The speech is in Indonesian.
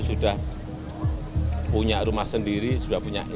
ada apa yang muslim n jerka juga